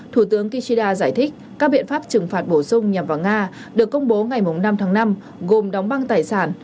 thủ tướng kishida giải thích các biện pháp trừng phạt bổ sung nhằm vào nga được công bố ngày năm tháng năm gồm đóng băng tài sản